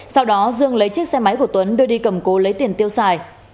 sau đó dương lấy chiếc xe máy của tuấn đưa đi cầm cố lấy tiền tiêu xài